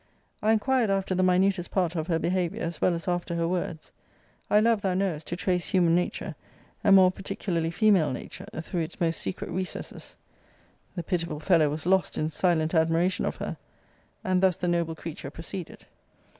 I inquired after the minutest part of her behaviour, as well as after her words. I love, thou knowest, to trace human nature, and more particularly female nature, through its most secret recesses. The pitiful fellow was lost in silent admiration of her. And thus the noble creature proceeded.